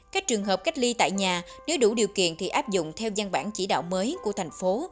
các trường hợp cách ly tại nhà nếu đủ điều kiện thì áp dụng theo gian bản chỉ đạo mới của thành phố